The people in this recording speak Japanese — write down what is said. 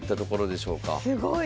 すごい。